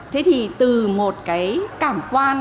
thế thì từ một cái cảm quan